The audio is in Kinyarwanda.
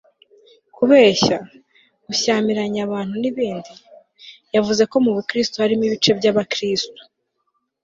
kubeshya, gushyamiranya abantu n'ibindi.yavuze ko mu bukristu harimo ibice by'abakristu